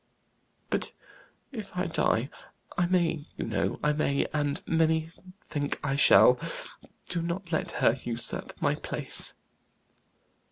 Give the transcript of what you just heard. "But if I die? I may you know I may; and many think I shall do not let her usurp my place."